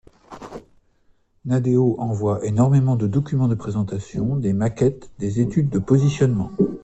Nadeo envoie énormément de documents de présentation, des maquettes, des études de positionnement.